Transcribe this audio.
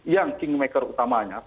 yang kingmaker utamanya